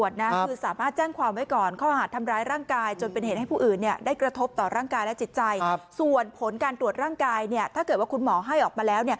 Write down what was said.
ส่วนผลการตรวจร่างกายถ้าเกิดว่าคุณหมอให้ออกมาแล้ว